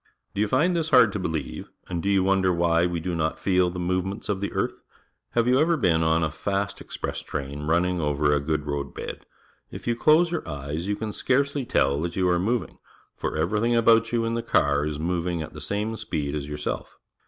Do vou find this hard to believe, and do HOW THE SUN LIGHTS AND HEATS THE EARTH 37 you wonder why we do not feel the move ments of the eai'th? Have you ever been on a fast express train running over a good road bed? If you close your eyes, you can scarcely tell that you are mo\'ing, for every tliing about you in the car is moving at the same speed as yourself.